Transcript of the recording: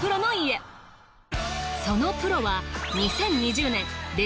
そのプロは。